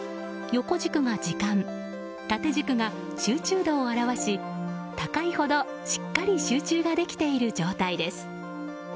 横軸が時間、縦軸が集中度を表し高いほどしっかり集中ができている状態です。